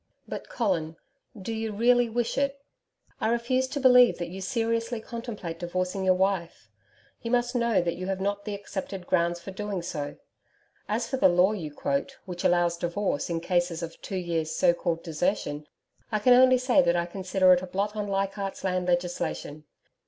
But Colin, do you really wish, it? I refuse to believe that you seriously contemplate divorcing your wife. You must know that you have not the accepted grounds for doing so. As for the law you quote which allows divorce in cases of two years' so called desertion, I can only say that I consider it a blot on Leichardt's Land legislation.